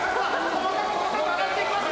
細かく細かく上がっていきます！